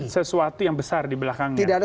sesuatu yang besar di belakangnya